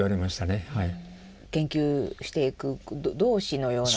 研究していく同志のような。